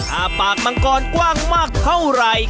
ถ้าปากมังกรกว้างมากเท่าไหร่